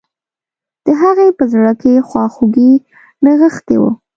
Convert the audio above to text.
د هغې په زړه کې خواخوږي نغښتي وه